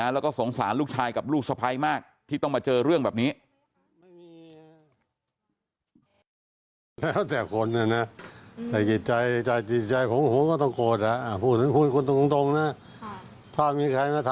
แล้วก็สงสารลูกชายกับลูกสะพ้ายมากที่ต้องมาเจอเรื่องแบบนี้